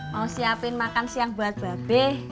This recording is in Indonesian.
mau siapin makan siang buat babe